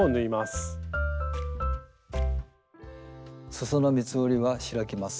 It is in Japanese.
すその三つ折りは開きます。